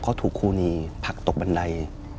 เขาถูกคู่นี้ผลักตกบันได